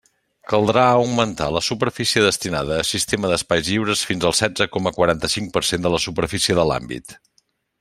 Caldrà augmentar la superfície destinada a sistema d'espais lliures fins al setze coma quaranta-cinc per cent de la superfície de l'àmbit.